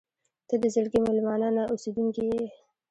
• ته د زړګي مېلمانه نه، اوسېدونکې یې.